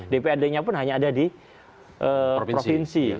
dprd nya pun hanya ada di provinsi